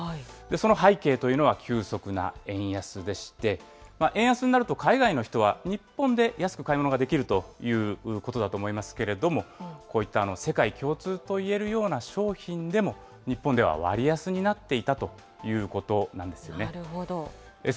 その背景というのは急速な円安でして、円安になると、海外の人は日本で安く買い物ができるということだと思いますけれども、こういった世界共通といえるような商品でも、日本では割安なっていたということなんですよね。